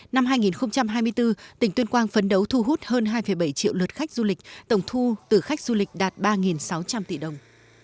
năm hai nghìn hai mươi bốn tỉnh tuyên quang phấn đấu thu hút hơn hai bảy triệu lượt khách du lịch tổng thu từ khách du lịch đạt ba sáu trăm linh tỷ đồng